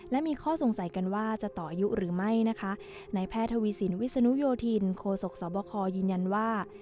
และมีข้อสงสัยกันว่าจะต่ออายุหรือไม่นะคะในแพทย์ทวีสินวิศนุโยธินโคศกสบคยืนยันว่า